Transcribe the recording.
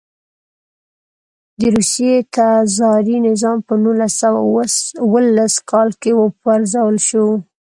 د روسیې تزاري نظام په نولس سوه اوولس کال کې و پرځول شو.